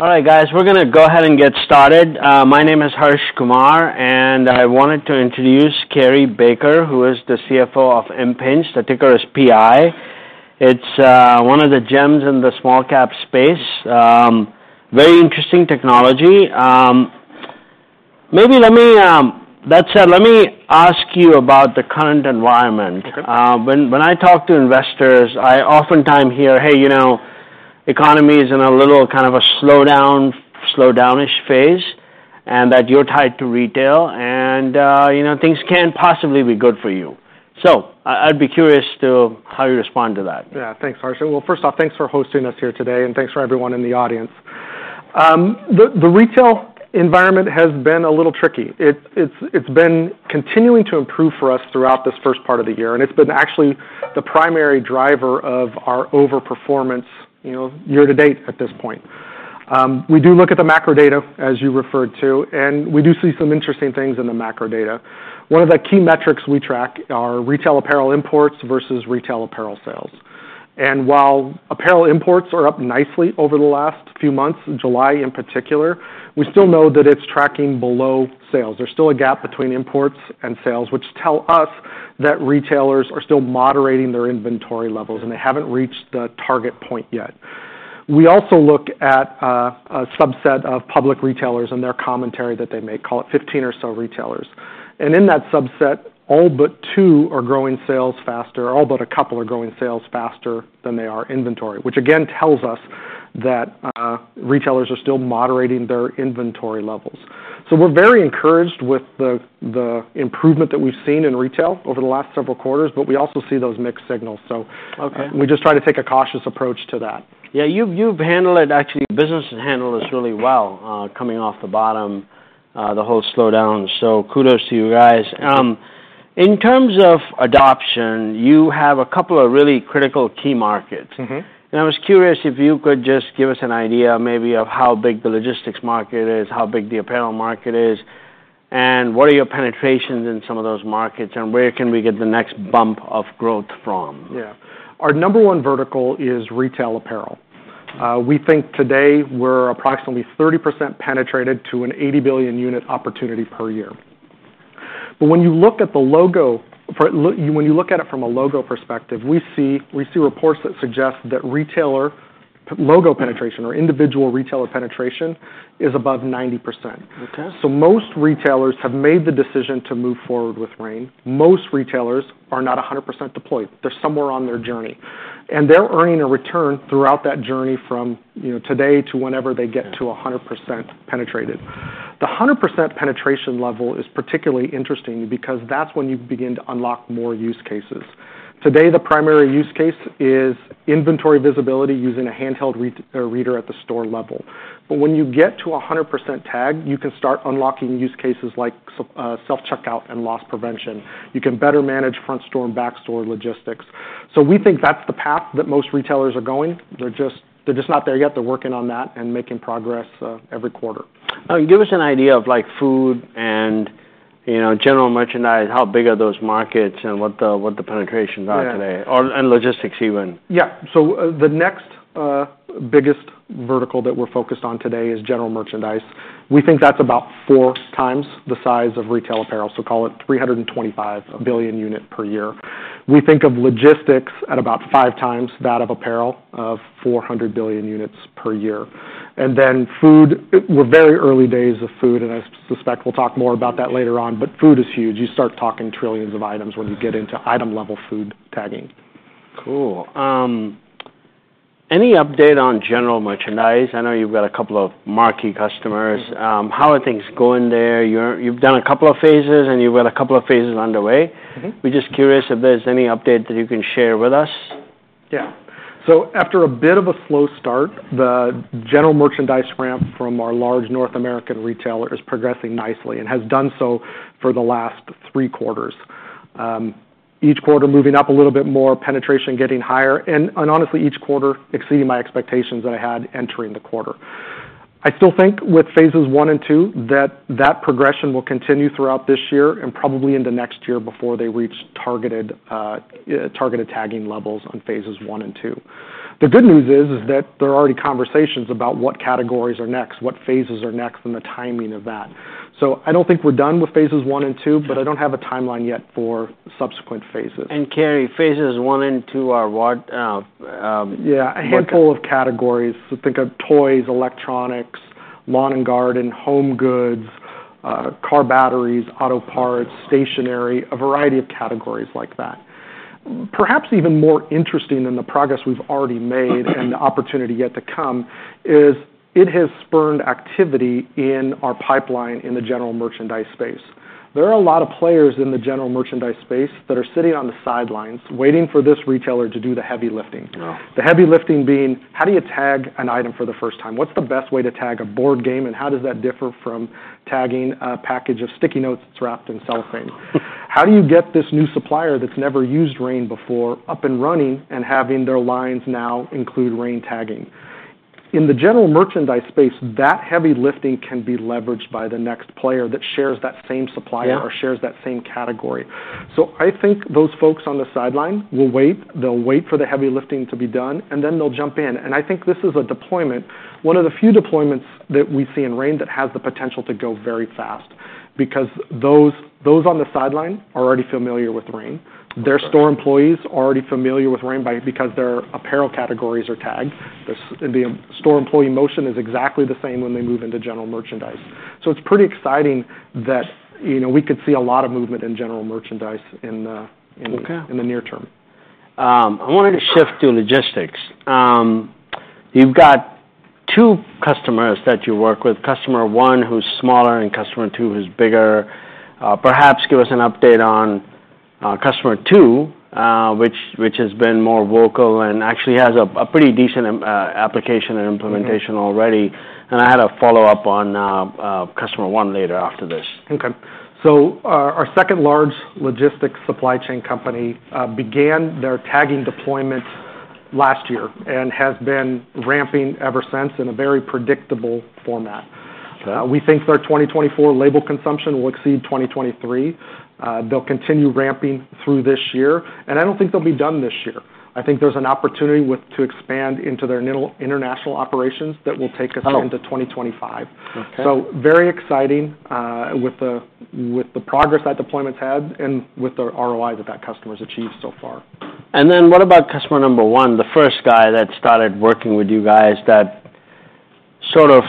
All right, guys, we're gonna go ahead and get started. My name is Harsh Kumar, and I wanted to introduce Cary Baker, who is the CFO of Impinj. The ticker is PI. It's one of the gems in the small cap space. Very interesting technology. That said, let me ask you about the current environment. Okay. When I talk to investors, I oftentimes hear, "Hey, you know, economy is in a little kind of a slowdown, slowdown-ish phase, and that you're tied to retail, and, you know, things can't possibly be good for you." So, I'd be curious to how you respond to that. Yeah. Thanks, Harsh. Well, first off, thanks for hosting us here today, and thanks for everyone in the audience. The retail environment has been a little tricky. It's been continuing to improve for us throughout this first part of the year, and it's been actually the primary driver of our overperformance, you know, year to date at this point. We do look at the macro data, as you referred to, and we do see some interesting things in the macro data. One of the key metrics we track are retail apparel imports versus retail apparel sales. And while apparel imports are up nicely over the last few months, in July, in particular, we still know that it's tracking below sales. There's still a gap between imports and sales, which tell us that retailers are still moderating their inventory levels, and they haven't reached the target point yet. We also look at a subset of public retailers and their commentary that they may call it fifteen or so retailers, and in that subset, all but two are growing sales faster, all but a couple are growing sales faster than they are inventory, which again tells us that retailers are still moderating their inventory levels, so we're very encouraged with the improvement that we've seen in retail over the last several quarters, but we also see those mixed signals, so- Okay. We just try to take a cautious approach to that. Yeah, you've handled it, actually, business has handled this really well, coming off the bottom, the whole slowdown. So kudos to you guys. Thank you. In terms of adoption, you have a couple of really critical key markets. Mm-hmm. I was curious if you could just give us an idea, maybe of how big the logistics market is, how big the apparel market is, and what are your penetrations in some of those markets, and where can we get the next bump of growth from? Yeah. Our number one vertical is retail apparel. We think today we're approximately 30% penetrated to an 80 billion unit opportunity per year. But when you look at it from a logo perspective, we see reports that suggest that retailer logo penetration or individual retailer penetration is above 90%. Okay. So most retailers have made the decision to move forward with RAIN. Most retailers are not 100% deployed. They're somewhere on their journey, and they're earning a return throughout that journey from, you know, today to whenever they get to 100% penetrated. The 100% penetration level is particularly interesting because that's when you begin to unlock more use cases. Today, the primary use case is inventory visibility, using a handheld reader at the store level. But when you get to 100% tag, you can start unlocking use cases like self-checkout and loss prevention. You can better manage front store and back store logistics. So we think that's the path that most retailers are going. They're just, they're just not there yet. They're working on that and making progress every quarter. Give us an idea of, like, food and, you know, general merchandise, how big are those markets and what the penetrations are today? Yeah or, and logistics even? Yeah. So, the next biggest vertical that we're focused on today is general merchandise. We think that's about four times the size of retail apparel, so call it 325 billion units per year. We think of logistics at about five times that of apparel, of 400 billion units per year. And then food, we're very early days of food, and I suspect we'll talk more about that later on, but food is huge. You start talking trillions of items when you get into item-level food tagging. Cool. Any update on general merchandise? I know you've got a couple of marquee customers. Mm-hmm. How are things going there? You've done a couple of phases, and you've got a couple of phases underway. Mm-hmm. We're just curious if there's any update that you can share with us. Yeah. So after a bit of a slow start, the general merchandise ramp from our large North American retailer is progressing nicely and has done so for the last three quarters. Each quarter, moving up a little bit more, penetration getting higher, and honestly, each quarter exceeding my expectations that I had entering the quarter. I still think with phases I and II, that that progression will continue throughout this year and probably into next year before they reach targeted tagging levels on phases I and II. The good news is that there are already conversations about what categories are next, what phases are next, and the timing of that. So I don't think we're done with phases I and I, but I don't have a timeline yet for subsequent phases. And Carey, phases I and II are what? Yeah, a handful of categories. So think of toys, electronics, lawn and garden, home goods, car batteries, auto parts, stationery, a variety of categories like that. Perhaps even more interesting than the progress we've already made and the opportunity yet to come, is it has spurred activity in our pipeline in the general merchandise space. There are a lot of players in the general merchandise space that are sitting on the sidelines, waiting for this retailer to do the heavy lifting. Wow! The heavy lifting being: How do you tag an item for the first time? What's the best way to tag a board game, and how does that differ from tagging a package of sticky notes that's wrapped in cellophane? How do you get this new supplier that's never used RAIN before up and running and having their lines now include RAIN tagging? In the general merchandise space, that heavy lifting can be leveraged by the next player that shares that same supplier- Yeah... or shares that same category. So I think those folks on the sideline will wait. They'll wait for the heavy lifting to be done, and then they'll jump in. And I think this is a deployment, one of the few deployments that we see in RAIN that has the potential to go very fast.... because those on the sideline are already familiar with RAIN. Their store employees are already familiar with RAIN by, because their apparel categories are tagged. The store employee motion is exactly the same when they move into general merchandise. So it's pretty exciting that, you know, we could see a lot of movement in general merchandise in the, in the- Okay... in the near term. I wanted to shift to logistics. You've got two customers that you work with, customer one, who's smaller, and customer two, who's bigger. Perhaps give us an update on customer two, which has been more vocal and actually has a pretty decent application and implementation. Mm-hmm... already. And I had a follow-up on customer one later after this. Okay. So our second large logistics supply chain company began their tagging deployment last year and has been ramping ever since in a very predictable format. Okay. We think their 2024 label consumption will exceed 2023. They'll continue ramping through this year, and I don't think they'll be done this year. I think there's an opportunity to expand into their international operations that will take us- Oh... into 2025. Okay. So very exciting with the progress that deployment's had and with the ROI that that customer's achieved so far. And then what about customer number one, the first guy that started working with you guys, that sort of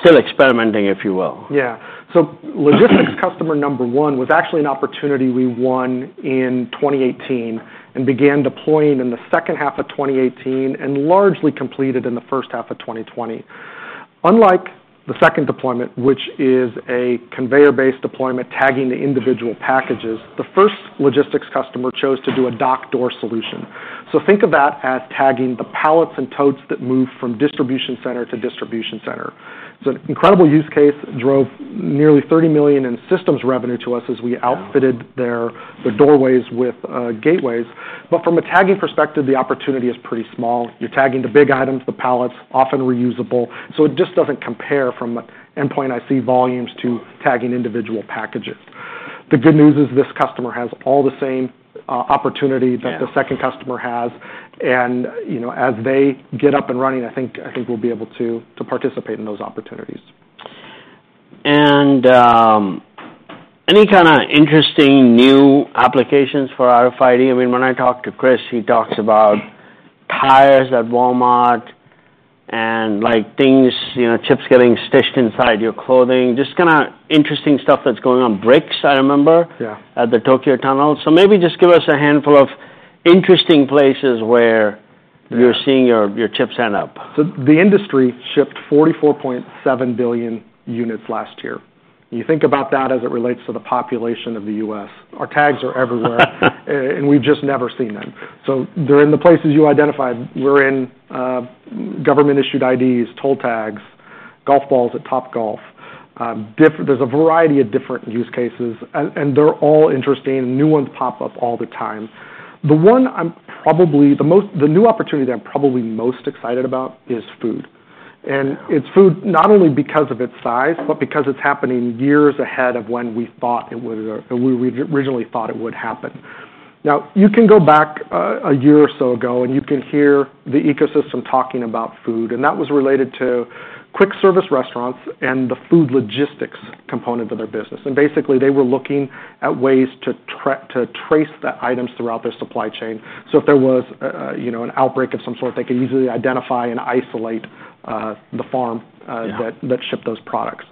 still experimenting, if you will? Yeah. So logistics customer number one was actually an opportunity we won in 2018 and began deploying in the second half of 2018, and largely completed in the first half of 2020. Unlike the second deployment, which is a conveyor-based deployment, tagging the individual packages, the first logistics customer chose to do a dock door solution. So think of that as tagging the pallets and totes that move from distribution center to distribution center. It's an incredible use case, drove nearly $30 million in systems revenue to us as we outfitted- Wow!... their doorways with gateways. But from a tagging perspective, the opportunity is pretty small. You're tagging the big items, the pallets, often reusable, so it just doesn't compare from endpoint IC volumes to tagging individual packages. The good news is this customer has all the same opportunity- Yeah... that the second customer has, and, you know, as they get up and running, I think we'll be able to participate in those opportunities. Any kind of interesting new applications for RFID? I mean, when I talk to Chris, he talks about tires at Walmart and, like, things, you know, chips getting stitched inside your clothing. Just kind of interesting stuff that's going on. Bricks, I remember- Yeah... at the Tokyo tunnel. So maybe just give us a handful of interesting places where- Yeah... you're seeing your chips end up. So the industry shipped 44.7 billion units last year. You think about that as it relates to the population of the U.S. Our tags are everywhere, and we've just never seen them. So they're in the places you identified. We're in government-issued IDs, toll tags, golf balls at Topgolf. There's a variety of different use cases, and they're all interesting, and new ones pop up all the time. The one I'm probably most excited about is the new opportunity that I'm probably most excited about is food. Yeah. And it's food, not only because of its size, but because it's happening years ahead of when we thought it would. We originally thought it would happen. Now, you can go back a year or so ago, and you can hear the ecosystem talking about food, and that was related to quick service restaurants and the food logistics component of their business. And basically, they were looking at ways to trace the items throughout their supply chain. So if there was, you know, an outbreak of some sort, they could easily identify and isolate the farm- Yeah... that shipped those products,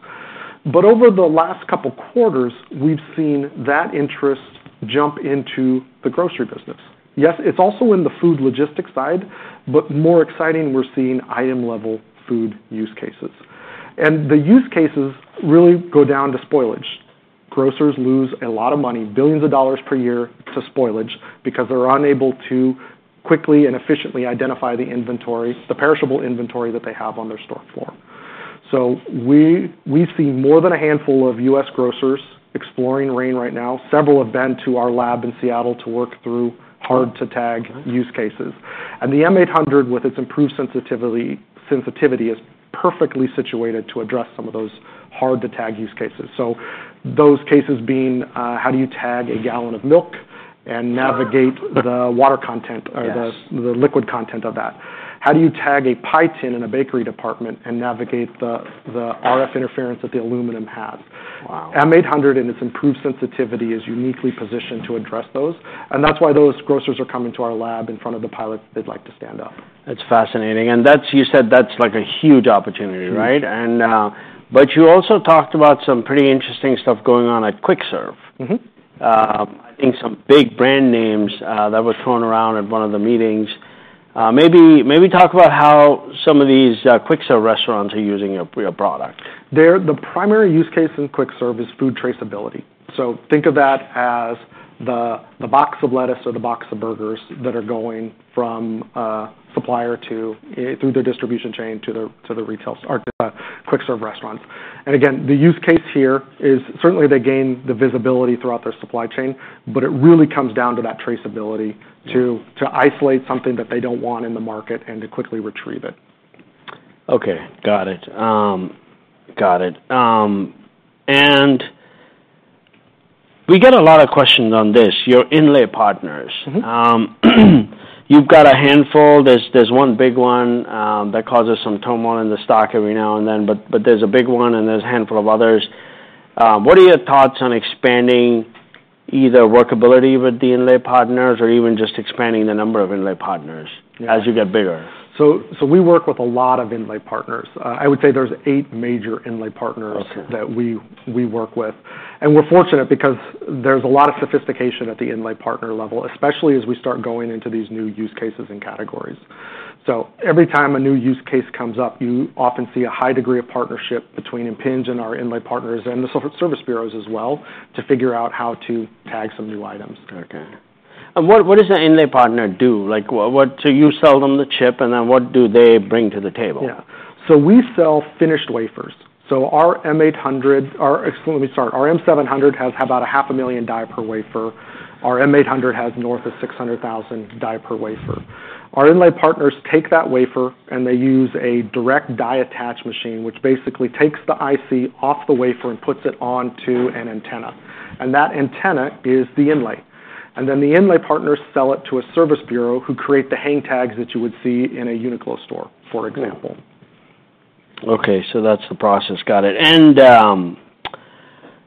but over the last couple of quarters, we've seen that interest jump into the grocery business. Yes, it's also in the food logistics side, but more exciting, we're seeing item-level food use cases, and the use cases really go down to spoilage. Grocers lose a lot of money, billions of dollars per year, to spoilage because they're unable to quickly and efficiently identify the inventory, the perishable inventory that they have on their store floor, so we see more than a handful of U.S. grocers exploring RAIN right now. Several have been to our lab in Seattle to work through hard-to-tag use cases, and the M800, with its improved sensitivity, is perfectly situated to address some of those hard-to-tag use cases, so those cases being how do you tag a gallon of milk and navigate the water content- Yes... or the liquid content of that? How do you tag a pie tin in a bakery department and navigate the RF interference that the aluminum has? Wow! M800 and its improved sensitivity is uniquely positioned to address those, and that's why those grocers are coming to our lab in front of the pilot they'd like to stand up. That's fascinating, and that's, you said, like, a huge opportunity, right? Huge. You also talked about some pretty interesting stuff going on at quick service. Mm-hmm. I think some big brand names that were thrown around at one of the meetings. Maybe talk about how some of these quick serve restaurants are using your product. There, the primary use case in quick serve is food traceability. So think of that as the box of lettuce or the box of burgers that are going from supplier to through the distribution chain to the retail store, quick serve restaurants. And again, the use case here is certainly they gain the visibility throughout their supply chain, but it really comes down to that traceability. Yeah... to isolate something that they don't want in the market and to quickly retrieve it. Okay, got it. We get a lot of questions on this, your inlay partners. Mm-hmm. You've got a handful. There's one big one that causes some turmoil in the stock every now and then, but there's a big one, and there's a handful of others. What are your thoughts on expanding either workability with the inlay partners or even just expanding the number of inlay partners- Yeah as you get bigger? So, we work with a lot of inlay partners. I would say there's eight major inlay partners- Okay That we work with, and we're fortunate because there's a lot of sophistication at the inlay partner level, especially as we start going into these new use cases and categories, so every time a new use case comes up, you often see a high degree of partnership between Impinj and our inlay partners and the service bureaus as well, to figure out how to tag some new items. Okay. And what does the inlay partner do? Like, what? So you sell them the chip, and then what do they bring to the table? Yeah. So we sell finished wafers. Our M700 has about 500,000 die per wafer. Our M800 has north of 600,000 die per wafer. Our inlay partners take that wafer, and they use a direct die attach machine, which basically takes the IC off the wafer and puts it onto an antenna, and that antenna is the inlay. And then the inlay partners sell it to a service bureau, who create the hang tags that you would see in a Uniqlo store, for example. Okay, so that's the process. Got it. And,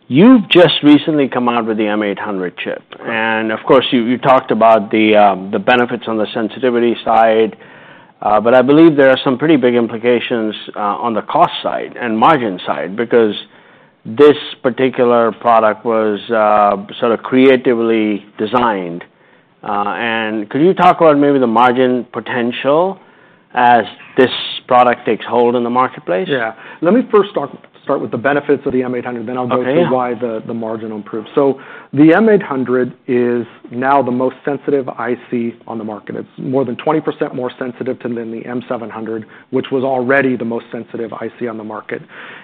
you've just recently come out with the M800 chip. Right. Of course, you talked about the benefits on the sensitivity side, but I believe there are some pretty big implications on the cost side and margin side, because this particular product was sort of creatively designed, and could you talk about maybe the margin potential as this product takes hold in the marketplace? Yeah. Let me first start with the benefits of the M800- Okay, yeah Then I'll go to why the margin will improve. So the M800 is now the most sensitive IC on the market. It's more than 20% more sensitive than the M700, which was already the most sensitive IC on the market.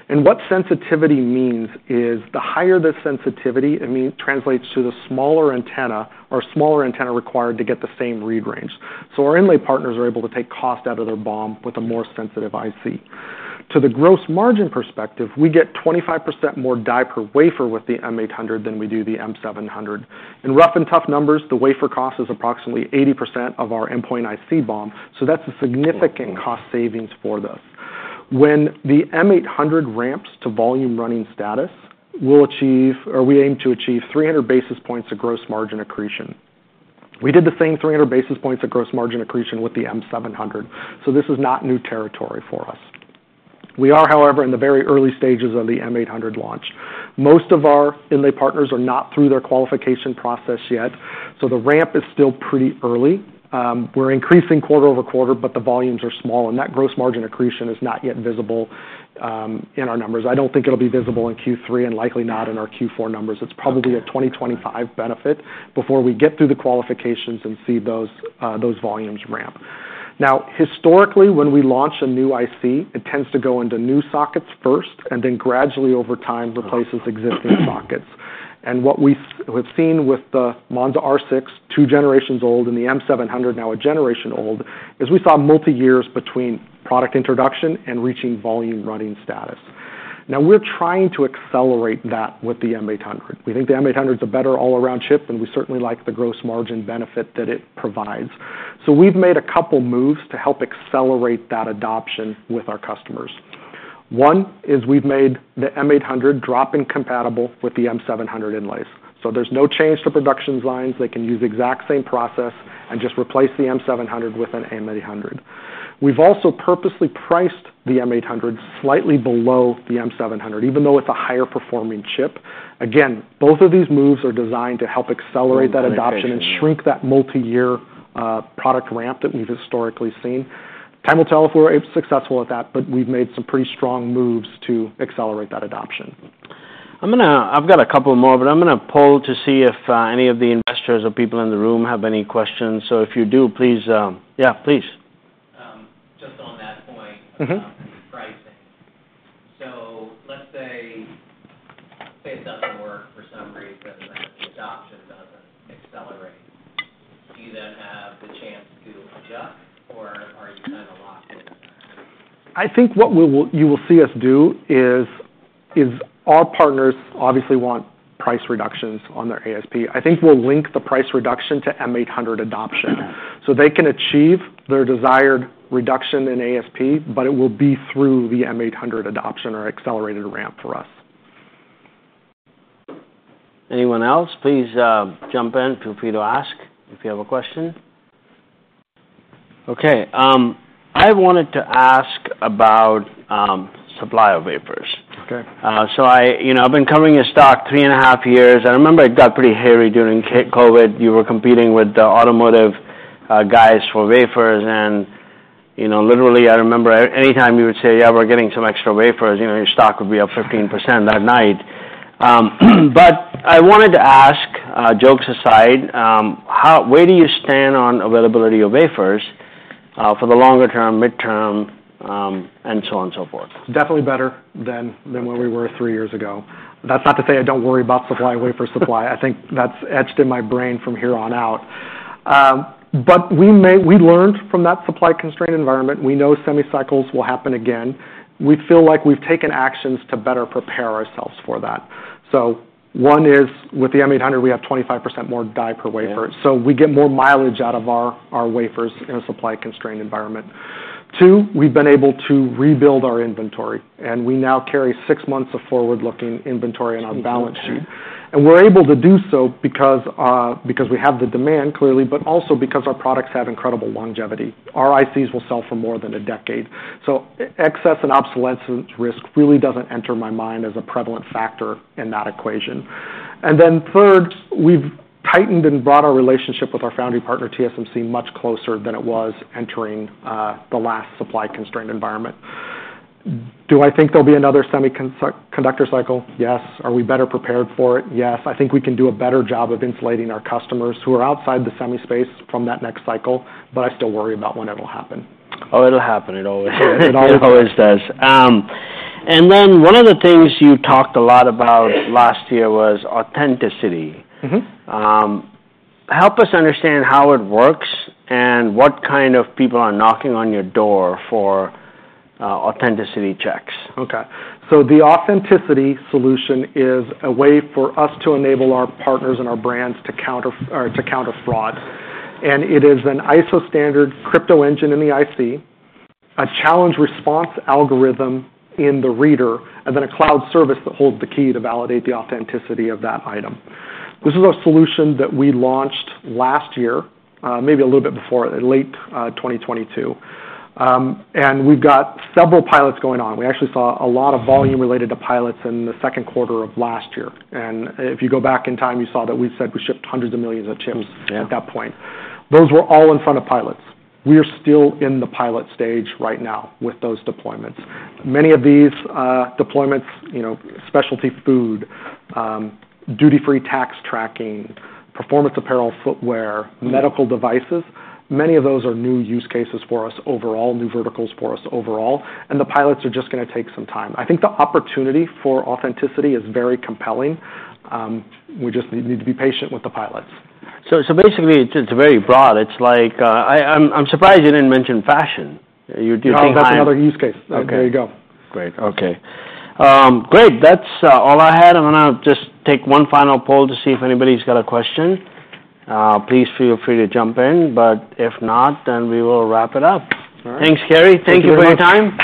And what sensitivity means is, the higher the sensitivity, it translates to the smaller antenna or smaller antenna required to get the same read range. So our inlay partners are able to take cost out of their BOM with a more sensitive IC. To the gross margin perspective, we get 25% more die per wafer with the M800 than we do the M700. In rough and tough numbers, the wafer cost is approximately 80% of our endpoint IC BOM, so that's a significant- Okay Cost savings for us. When the M800 ramps to volume running status, we'll achieve, or we aim to achieve three hundred basis points of gross margin accretion. We did the same three hundred basis points of gross margin accretion with the M700, so this is not new territory for us. We are, however, in the very early stages of the M800 launch. Most of our inlay partners are not through their qualification process yet, so the ramp is still pretty early. We're increasing quarter over quarter, but the volumes are small, and that gross margin accretion is not yet visible in our numbers. I don't think it'll be visible in Q3 and likely not in our Q4 numbers. Okay. It's probably a 20%-25% benefit before we get through the qualifications and see those volumes ramp. Now, historically, when we launch a new IC, it tends to go into new sockets first and then gradually, over time, replaces existing sockets. What we've seen with the Monza R6, two generations old, and the M700, now a generation old, is we saw multiyears between product introduction and reaching volume running status. Now, we're trying to accelerate that with the M800. We think the M800 is a better all-around chip, and we certainly like the gross margin benefit that it provides. So we've made a couple moves to help accelerate that adoption with our customers. One is we've made the M800 drop-in compatible with the M700 inlays, so there's no change to production lines. They can use the exact same process and just replace the M700 with an M800. We've also purposely priced the M800 slightly below the M700, even though it's a higher-performing chip. Again, both of these moves are designed to help accelerate that adoption. Okay, sure -and shrink that multiyear, product ramp that we've historically seen. Time will tell if we're successful at that, but we've made some pretty strong moves to accelerate that adoption. I'm gonna... I've got a couple more, but I'm gonna poll to see if any of the investors or people in the room have any questions. So if you do, please. Yeah, please. Just on that point. Mm-hmm -about the pricing. So let's say it doesn't work for some reason, and the adoption doesn't accelerate. Do you then have the chance to adjust, or are you kind of locked in? I think what we will, you will see us do is our partners obviously want price reductions on their ASP. I think we'll link the price reduction to M800 adoption. So they can achieve their desired reduction in ASP, but it will be through the M800 adoption or accelerated ramp for us. Anyone else? Please, jump in. Feel free to ask if you have a question. Okay, I wanted to ask about supply of wafers. Okay. So, you know, I've been covering your stock three and a half years. I remember it got pretty hairy during COVID. You were competing with the automotive guys for wafers and, you know, literally, I remember anytime you would say, "Yeah, we're getting some extra wafers," you know, your stock would be up 15% that night. But I wanted to ask, jokes aside, where do you stand on availability of wafers for the longer term, midterm, and so on and so forth? Definitely better than where we were three years ago. That's not to say I don't worry about supply, wafer supply. I think that's etched in my brain from here on out... but we learned from that supply constraint environment. We know semi cycles will happen again. We feel like we've taken actions to better prepare ourselves for that. So one is, with the M800, we have 25% more die per wafer, so we get more mileage out of our wafers in a supply-constrained environment. Two, we've been able to rebuild our inventory, and we now carry six months of forward-looking inventory on our balance sheet. And we're able to do so because we have the demand, clearly, but also because our products have incredible longevity. Our ICs will sell for more than a decade. So, excess and obsolescence risk really doesn't enter my mind as a prevalent factor in that equation. And then third, we've tightened and brought our relationship with our foundry partner, TSMC, much closer than it was entering the last supply-constrained environment. Do I think there'll be another semiconductor cycle? Yes. Are we better prepared for it? Yes. I think we can do a better job of insulating our customers who are outside the semi space from that next cycle, but I still worry about when it'll happen. Oh, it'll happen. It always, it always does, and then one of the things you talked a lot about last year was authenticity. Mm-hmm. Help us understand how it works and what kind of people are knocking on your door for authenticity checks. Okay. So the authenticity solution is a way for us to enable our partners and our brands to counter or to counter fraud. And it is an ISO standard crypto engine in the IC, a challenge-response algorithm in the reader, and then a cloud service that holds the key to validate the authenticity of that item. This is a solution that we launched last year, maybe a little bit before, in late twenty twenty-two. And we've got several pilots going on. We actually saw a lot of volume related to pilots in the second quarter of last year, and if you go back in time, you saw that we said we shipped hundreds of millions of chips- Yeah -at that point. Those were all in front of pilots. We are still in the pilot stage right now with those deployments. Many of these deployments, you know, specialty food, duty-free tax tracking, performance apparel, footwear- Mm. -medical devices, many of those are new use cases for us overall, new verticals for us overall, and the pilots are just gonna take some time. I think the opportunity for authenticity is very compelling. We just need to be patient with the pilots. So basically, it's very broad. It's like, I'm surprised you didn't mention fashion. Do you think- No, that's another use case. Okay. There you go. Great, okay. Great, that's all I had. I'm gonna just take one final poll to see if anybody's got a question. Please feel free to jump in, but if not, then we will wrap it up. All right. Thanks, Cary. Thank you very much. Thank you for your time.